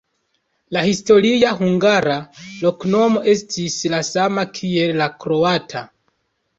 La historia hungara loknomo estis la sama kiel la kroata.